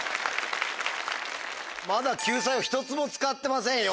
まだ救済を一つも使ってませんよ。